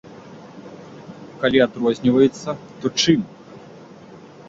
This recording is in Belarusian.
Калі адрозніваецца, то чым?